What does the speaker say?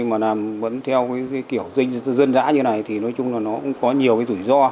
mà làm theo kiểu dân dã như này thì nói chung là nó cũng có nhiều rủi ro